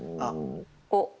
おっ。